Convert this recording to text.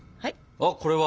あこれは。